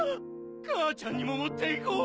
母ちゃんにも持っていこう。